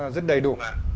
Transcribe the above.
rất đầy đủ